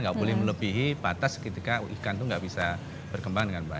gak boleh melebihi batas ketika ikan itu gak bisa berkembang dengan berat